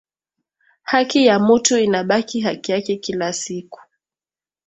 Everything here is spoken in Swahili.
Haki ya mutu inabaki haki yake kila siku